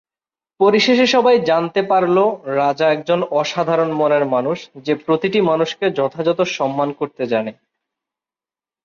পরিশেষে সবাই জানতে পারল রাজা একজন অসাধারণ মনের মানুষ, যে প্রতিটি মানুষকে যথাযথ সম্মান করতে জানে।